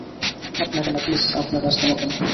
আপনাকে না, প্লিজ আপনার রাস্তা মাপুন।